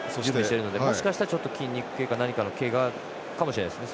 もしかしたら筋肉系か何かのけがかもしれませんね。